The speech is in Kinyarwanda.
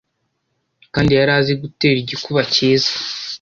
kandi yari azi gutera igikuba cyiza